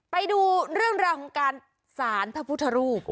ไปดูเรื่องราวของการสารพระพุทธรูป